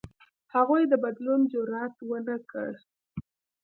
هغوی د بدلون جرئت ونه کړ.